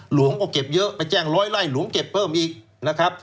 หลวงก็เก็บเยอะไปแจ้งร้อยไล่หลวงเก็บเพิ่มอีกนะครับ